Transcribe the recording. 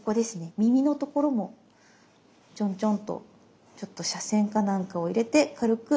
耳のところもチョンチョンとちょっと斜線かなんかを入れて軽く。